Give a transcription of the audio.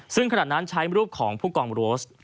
ซึ่งขณะนั้นใช้รูปของผู้กองโรส